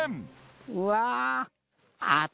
うわ！